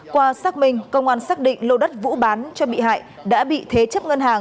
qua xác minh công an xác định lô đất vũ bán cho bị hại đã bị thế chấp ngân hàng